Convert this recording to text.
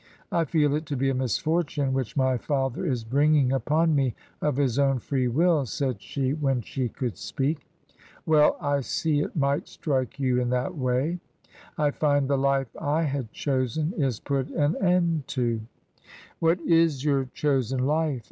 " I feel it to be a misfortune which my father is bring ing upon me of his own free will," said she when she could speak. " Well ! I see it might strike you in that way." *' I find the life I had chosen is put an end to." " What is your chosen life